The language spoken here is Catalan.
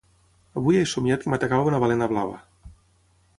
Avui he somiat que m'atacava una balena blava.